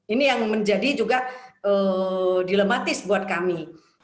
ini yang menjadi juga dilematis buat kami